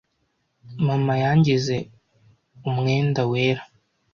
Mama yangize umwenda wera.